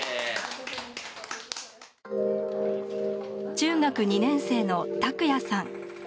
中学２年生の拓也さん。